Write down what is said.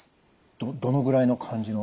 どのぐらいの感じの？